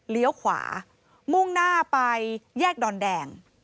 ขวามุ่งหน้าไปแยกดอนแดง